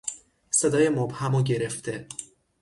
صدای مبهم و گرفته